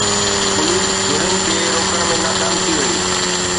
police ڌرين کي روڪڻ ۾ ناڪام وئي